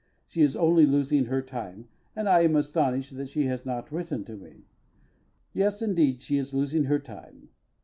She is only losing her time, and I am astonished that she has not written to me. Yes, indeed, she is losing her time.